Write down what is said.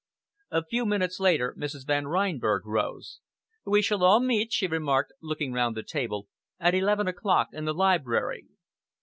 A few minutes later Mrs. Van Reinberg rose. "We shall all meet," she remarked, looking round the table, "at eleven o'clock in the library."